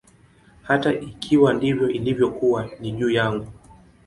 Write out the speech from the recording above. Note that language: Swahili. Hata ikiwa ndivyo ilivyokuwa, ni juu yangu.